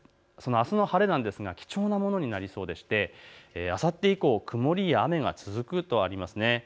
あすの晴れなんですが貴重なものになりそうでして、あさって以降、曇りや雨が続くとあります。